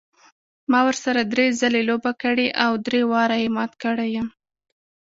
ما ورسره درې ځلې لوبه کړې او درې واړه یې مات کړی یم.